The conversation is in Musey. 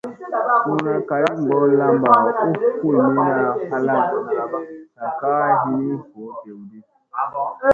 Suuna kali goo lamba u kulmiina halaŋ sa ka hini voo dewdi.